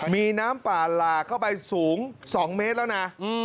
มีน้ำป่าหลากเข้าไปสูง๒เมตรแล้วนะ